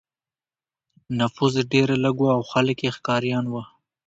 نفوس ډېر لږ و او خلک یې ښکاریان وو.